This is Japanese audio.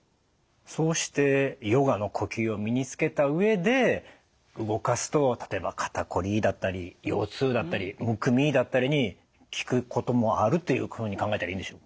そうしてヨガの呼吸を身につけた上で動かすと例えば肩こりだったり腰痛だったりむくみだったりに効くこともあるというふうに考えたらいいんでしょう？